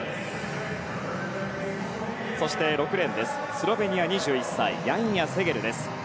そして６レーン、スロベニア２１歳のヤンヤ・セゲル。